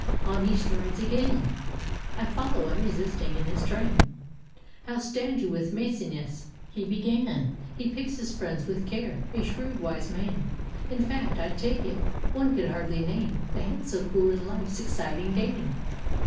On he strides again: I follow, unresisting, in his train. "How stand you with Maecenas?" he began: "He picks his friends with care; a shrewd wise man; In fact, I take it, one could hardly name A head so cool in Hfe's exciting game.